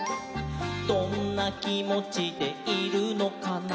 「どんなきもちでいるのかな」